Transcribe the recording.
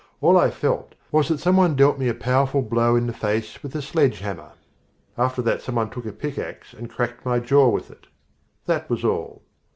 All I felt was that someone dealt me a powerful blow in the face with a sledgehammer. After that somebody took a pickax and cracked in my jaw with it. That was all.